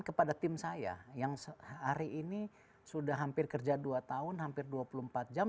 kepada tim saya yang hari ini sudah hampir kerja dua tahun hampir dua puluh empat jam